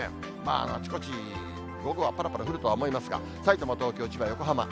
あちこち午後はぱらぱら降るとは思いますが、さいたま、東京、千葉、横浜。